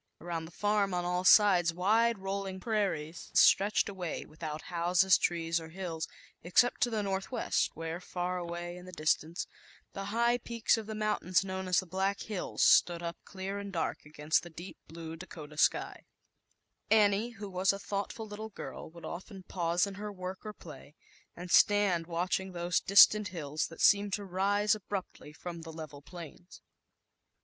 Around the farm, on all sides, wide rolling prairies stretched away, without houses, trees or hills, except to the Northwest, where, far away in the distance, the high peaks of the mountains 10 known a ZAUBER LINJg Ir dark against the deep^lue Dakota sk je, who was a thoughtful little would often pause in her work or stand watching those distant seemed to rise abruptly from he level plains.